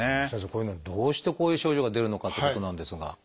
先生どうしてこういう症状が出るのかっていうことなんですが。